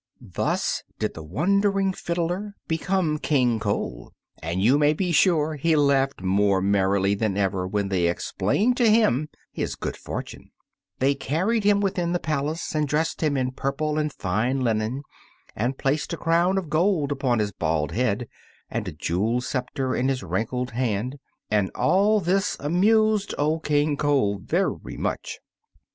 Thus did the wandering fiddler become King Cole, and you may be sure he laughed more merrily than ever when they explained to him his good fortune. [Illustration: Old King Cole] They carried him within the palace and dressed him in purple and fine linen, and placed a crown of gold upon his bald head and a jeweled scepter in his wrinkled hand, and all this amused old King Cole very much.